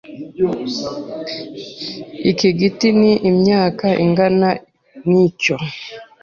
Iki giti ni imyaka ingana nicyo.